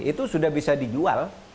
itu sudah bisa dijual